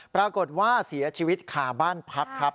ปรากฏว่าเสียชีวิตคาบ้านพักครับ